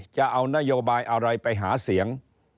จะเอานโยบายอะไรไปหาเสียง